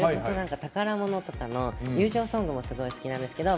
「宝物」とかの友情ソングもすごい好きなんですけど